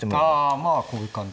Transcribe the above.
あまあこういう感じ。